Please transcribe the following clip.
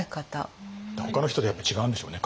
ほかの人とやっぱ違うんでしょうね。